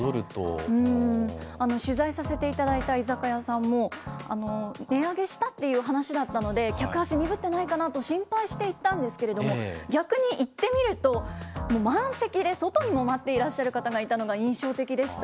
取材させていただいた居酒屋さんも、値上げしたっていう話だったので、客足鈍ってないかなと心配して行ったんですけれども、逆に行ってみると、もう満席で、外にも待っていらっしゃる方がいたのが印象的でした。